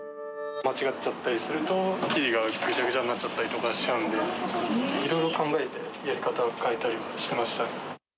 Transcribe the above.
間違っちゃったりすると、生地がぐちゃぐちゃになっちゃったりしちゃうんで、いろいろ考えて、やり方を変えたりはしてました。